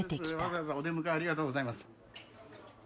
わざわざお出迎えありがとうございます。